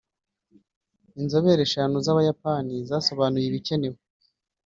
Inzobere eshanu z’Abayapani zasobanuye ibikenewe